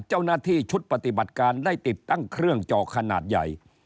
เจ้าหน้าที่ชุดปฏิบัติการได้ติดตั้งเครื่องจอขนาดใหญ่